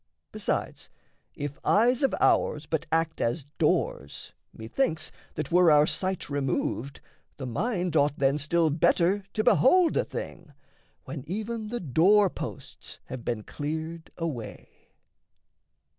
Besides, if eyes of ours but act as doors, Methinks that, were our sight removed, the mind Ought then still better to behold a thing When even the door posts have been cleared away.